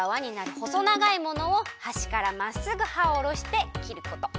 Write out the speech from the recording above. ほそながいものをはしからまっすぐはをおろして切ること！